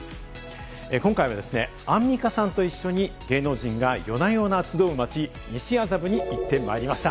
今回は、アンミカさんと一緒に芸能人が夜な夜な集う街・西麻布に行ってまいりました。